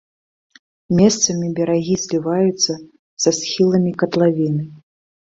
Месцамі берагі зліваюцца са схіламі катлавіны.